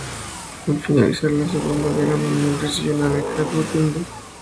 Al finalizar la Segunda Guerra Mundial recibió una beca Guggenheim.